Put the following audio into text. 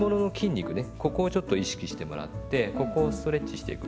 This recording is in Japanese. ここをちょっと意識してもらってここをストレッチしていく。